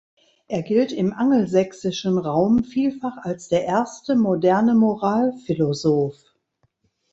Er gilt im angelsächsischen Raum vielfach als der erste „moderne“ Moralphilosoph.